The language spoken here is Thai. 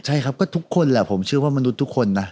ใช่ครับก็ทุกคนแหละผมเชื่อว่ามนุษย์ทุกคนนะ